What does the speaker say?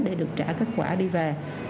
để được trả kết quả đi về